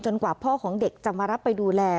กว่าพ่อของเด็กจะมารับไปดูแล